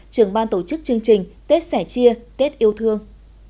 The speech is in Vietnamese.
trưởng ban tổ chức chương trình tết sẻ chia tết yêu thương